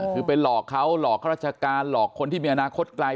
คือไปหลอกเขาหลอกข้าราชการหลอกคนที่มีอนาคตไกล